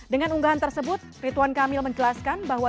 dengan unggahan tersebut ritwan kamil menjelaskan bahwa